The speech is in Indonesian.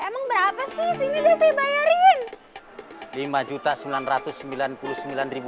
emang berapa sih sini udah saya bayarin